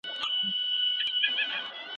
ستړیا د بدن طبیعي نښه ده.